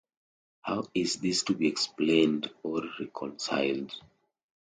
How is this to be explained or reconciled?